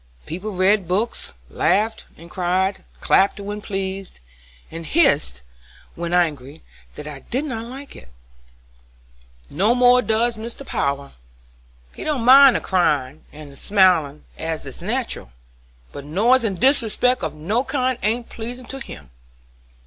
People read books, laughed and cried, clapped when pleased, and hissed when angry; that I did not like." "No more does Mr. Power; he don't mind the cryin' and the smilin' as it's nat'ral, but noise and disrespect of no kind ain't pleasin' to him.